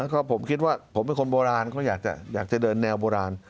ก็ผมคิดว่าผมเป็นคนโบราณเขาอยากจะเดินแนวโบราณ